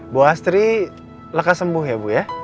bu astri lekas sembuh ya bu ya